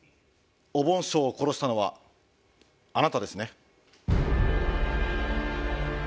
おぼん師匠を殺したのはあなたですね。